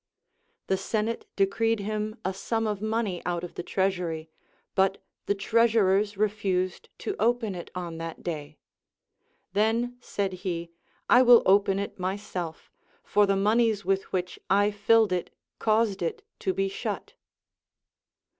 The senate decreed him a sum of money out of the treasury, but the treasurers refused to open it on that day. Then, said he, I will open it myself, for the moneys with which I filled it caused it to be shut.